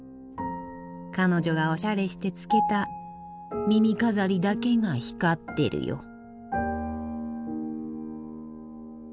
彼女がおしゃれしてつけた耳飾りだけが光ってるよ。